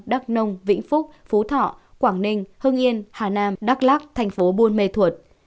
đắk nông vĩnh phúc phú thọ quảng ninh hưng yên hà nam đắk lắc thành phố buôn mê thuột